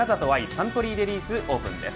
サントリーレディスオープンです。